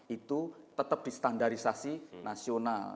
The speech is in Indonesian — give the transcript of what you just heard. itu tetap distandarisasi nasional